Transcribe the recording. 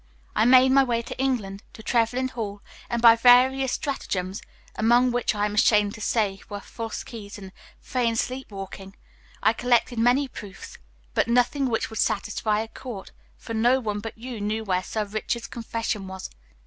I made my way to England, to Trevlyn Hall, and by various stratagems (among which, I am ashamed to say, were false keys and feigned sleepwalking) I collected many proofs, but nothing which would satisfy a court, for no one but you knew where Sir Richard's confession was.